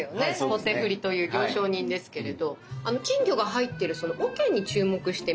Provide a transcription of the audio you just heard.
棒手振りという行商人ですけれど金魚が入ってるおけに注目してみて下さい。